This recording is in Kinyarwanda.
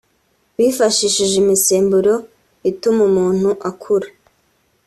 bifashishije imisemburo ituma umuntu akura